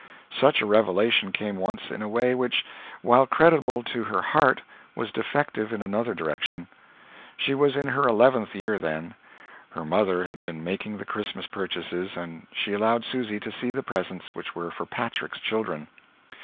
Such a revelation came once in a way which, while creditable to her heart, was defective in another direction. She was in her eleventh year then. Her mother had been making the Christmas purchases, and she allowed Susy to see the presents which were for Patrick's children.